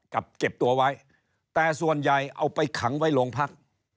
เก็บตัวไว้แต่ส่วนใหญ่เอาไปขังไว้โรงพัก